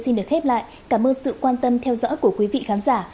bản tin được khép lại cảm ơn sự quan tâm theo dõi của quý vị khán giả